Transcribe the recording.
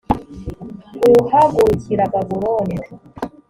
guhagurukira babuloni